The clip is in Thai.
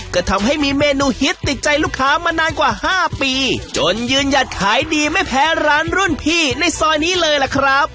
ก็ทำให้มีเมนูฮิตติดใจลูกค้ามานานกว่า๕ปีจนยืนหยัดขายดีไม่แพ้ร้านรุ่นพี่ในซอยนี้เลยล่ะครับ